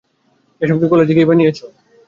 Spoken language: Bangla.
এসব কি কলেজে গিয়ে বানিয়েছো?